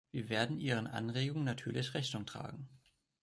Wir werden Ihren Anregungen natürlich Rechnung tragen.